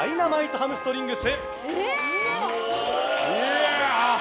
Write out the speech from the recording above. ハムストリングス！